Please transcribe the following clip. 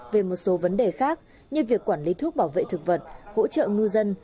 về một số vấn đề khác như việc quản lý thuốc bảo vệ thực vật hỗ trợ ngư dân